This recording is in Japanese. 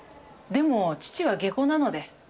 でも父は下戸なので。